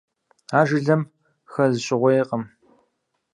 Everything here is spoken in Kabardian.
Ар жылэм хэз щӏыгъуейкъым.